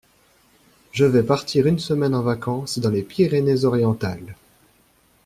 Je vais partir une semaine en vacances dans les Pyrénées-Orientales.